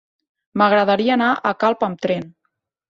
M'agradaria anar a Calp amb tren.